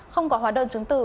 không có hóa đơn chứng tử